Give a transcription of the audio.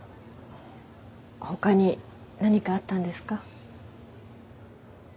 他に何かあったんですか？